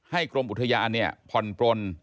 ให้กรมอุทยานี้ผ่อนปลน